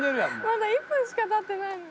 「まだ１分しか経ってないのに」